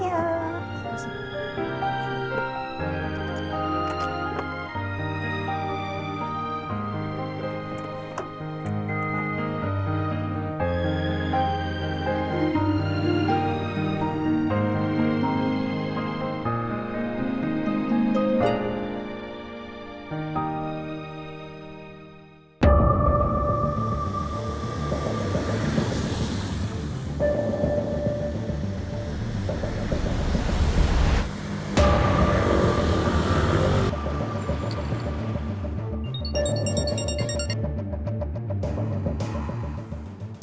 ya pak rendy